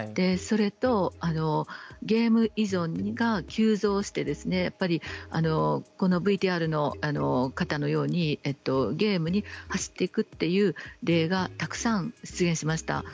それとゲーム依存が急増してこのＶＴＲの方のようにゲームに走っていくという例がたくさん出現しました。